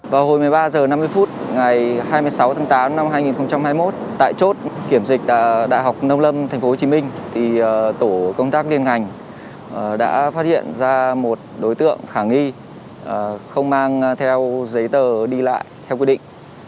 vào hồi một mươi ba h năm mươi phút ngày hai mươi sáu tháng tám năm hai nghìn hai mươi một tại chốt kiểm dịch đại học nông lâm tp hcm tổ công tác liên ngành đã phát hiện ra một đối tượng khả nghi không mang theo giấy tờ đi lại theo quy định